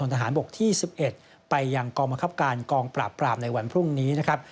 ไปบอทหารที่สิบเอ็ดอย่างกอมมาคับการกองปราบปราบในวันพรุ่งนี้นะครับ